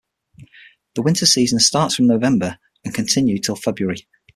The winter season starts from November and continue till February.